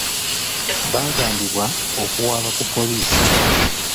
Baagambibwa okuwaaba ku poliisi.